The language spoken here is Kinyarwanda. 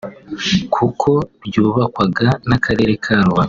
kuko ryubakwaga n’Akarere ka Rubavu